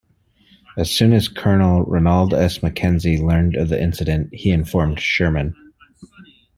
As soon as Colonel Ranald S. Mackenzie learned of the incident, he informed Sherman.